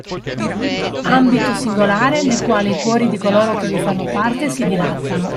Ambito singolare nel quale i cuori di coloro che vi fanno parte si dilatano